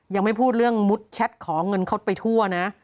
ยังไม่พูดเรื่องมุดแชทขอเงินเขาไปทั่วนะ